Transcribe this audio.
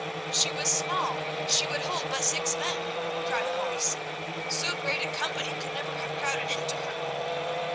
"She was small; she would hold but six men," cried a voice. "So great a company could never have crowded into her."